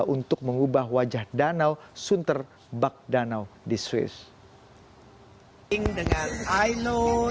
untuk mengubah wajah danau sunter bak danau di swiss